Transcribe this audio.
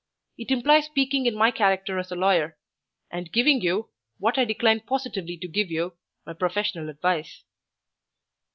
It implies speaking in my character as a lawyer, and giving you, what I decline positively to give you, my professional advice."